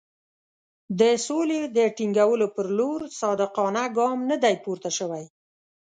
د سولې د ټینګولو پر لور صادقانه ګام نه دی پورته شوی.